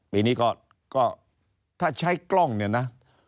ปีนี้ก็ถ้าใช้กล้องเนี่ยนะ